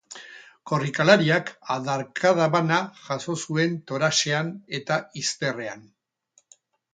Korrikalariak adarkada bana jaso zuen toraxean eta izterrean.